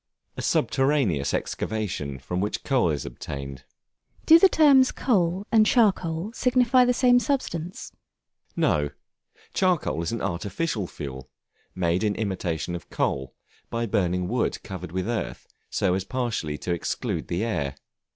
A subterraneous excavation, from which coal is obtained. Do the terms Coal and Charcoal signify the same substance? No; Charcoal is an artificial fuel, made in imitation of coal, by burning wood covered with earth so as partially to exclude the air.